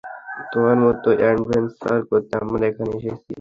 তোমার মতো অ্যাডভেঞ্চার করতে আমরা এখানে এসেছি।